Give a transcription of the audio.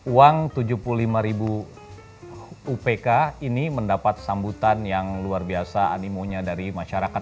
uang tujuh puluh lima ribu upk ini mendapat sambutan yang luar biasa animonya dari masyarakat